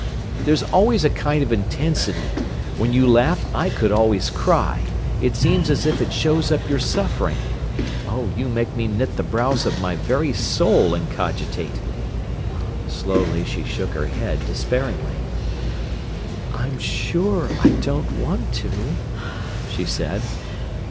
There's always a kind of intensity. When you laugh I could always cry; it seems as if it shows up your suffering. Oh, you make me knit the brows of my very soul and cogitate." Slowly she shook her head despairingly. "I'm sure I don't want to," she said.